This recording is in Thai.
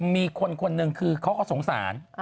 มีคนคนหนึ่งคือเขาก็สงสาร